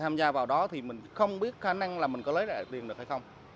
mình không biết khả năng là mình có lấy lại tiền được hay không